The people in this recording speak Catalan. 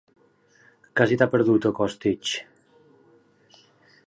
Què se t'hi ha perdut, a Costitx?